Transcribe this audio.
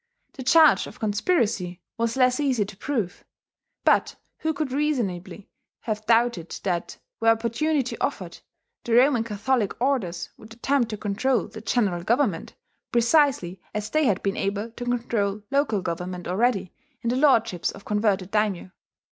The charge of conspiracy was less easy to prove; but who could reasonably have doubted that, were opportunity offered, the Roman Catholic orders would attempt to control the general government precisely as they had been able to control local government already in the lordships of converted daimyo.